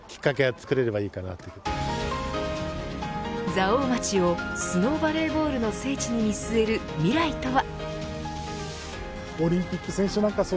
蔵王町をスノーバレーボールの聖地に見据える未来とは。